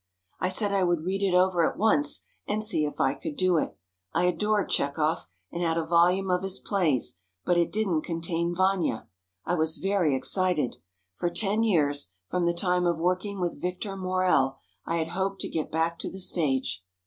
"I said I would read it over at once, and see if I could do it. I adored Chekhov, and had a volume of his plays, but it didn't contain 'Vanya.' I was very excited. For ten years—from the time of working with Victor Maurel, I had hoped to get back to the stage."